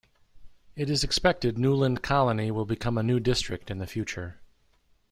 It is expected Neuland Colony will become a new district in the future.